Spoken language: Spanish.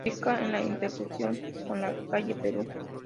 Se ubica en la intersección con la calle Perú.